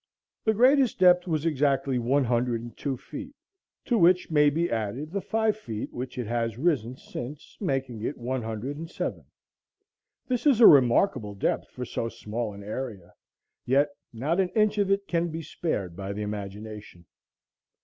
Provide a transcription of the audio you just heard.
The greatest depth was exactly one hundred and two feet; to which may be added the five feet which it has risen since, making one hundred and seven. This is a remarkable depth for so small an area; yet not an inch of it can be spared by the imagination.